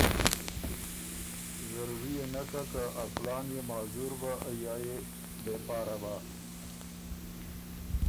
ضروري يې نک هۀ که ا کلان يې معذور بَۀ یا يې بې پاره بَۀ۔